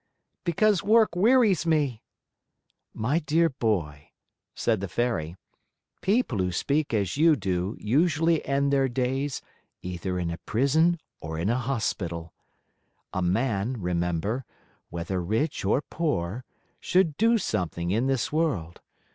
"Because work wearies me!" "My dear boy," said the Fairy, "people who speak as you do usually end their days either in a prison or in a hospital. A man, remember, whether rich or poor, should do something in this world.